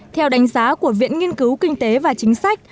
theo đánh giá của viện nghiên cứu kinh tế và chính sách